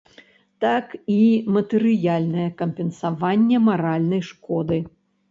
Так і матэрыяльнае кампенсаванне маральнай шкоды.